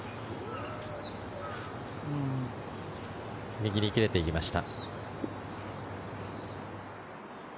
右に切れていきました。